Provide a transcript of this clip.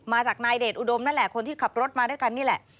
มาจากนายเดชอุดมนั่นแหละคนที่ขับรถมาด้วยกันนี่แหละ